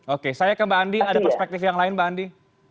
oke saya ke mbak andi ada perspektif yang lain mbak andi